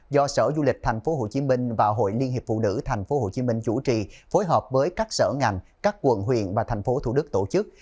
do sở du lịch tp hcm và hội liên hiệp phụ nữ tp hcm chủ trì phối hợp với các sở ngành các quận huyện và thành phố thủ đức tổ chức